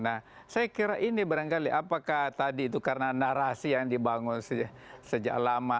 nah saya kira ini barangkali apakah tadi itu karena narasi yang dibangun sejak lama